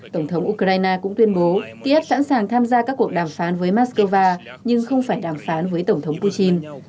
tổng thống ukraine cũng tuyên bố kiev sẵn sàng tham gia các cuộc đàm phán với moscow nhưng không phải đàm phán với tổng thống putin